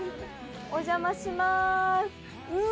お邪魔します。